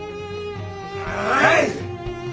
はい！